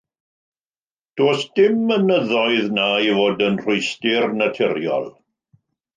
Does dim mynyddoedd yno i fod yn rhwystr naturiol.